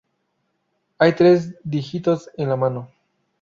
Hay tres dígitos en la mano.